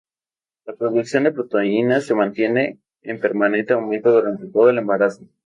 La producción de proteínas se mantiene en permanente aumento durante todo el embarazo.